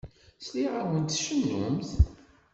Sliɣ-awent tcennumt.